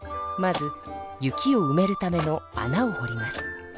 まず雪をうめるためのあなをほります。